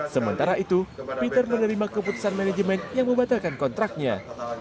sementara itu peter menerima keputusan manajemen yang membatalkan kontraknya